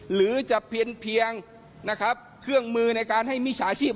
หรือจะเพียงเครื่องมือในการให้มีชาชีพ